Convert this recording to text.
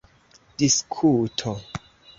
diskuto